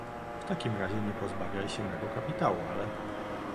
"W takim razie nie pozbawiaj się mego kapitału, ale..."